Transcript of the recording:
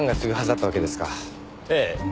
ええ。